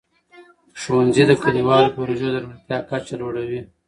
ښوونځي د کلیوالو پروژو د روڼتیا کچه لوړوي.